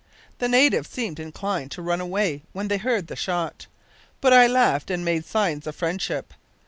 The natives seemed inclined to run away when they heard the shot, but I laughed and made signs of friendship.